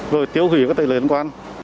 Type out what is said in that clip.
rồi tiêu hủy các tài liệu liên quan